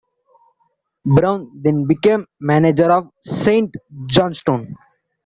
Brown then became manager of Saint Johnstone.